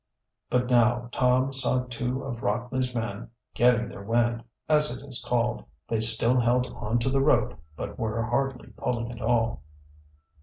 But now Tom saw two of Rockley's men "getting their wind" as it is called. They still held on to the rope, but were hardly pulling at all.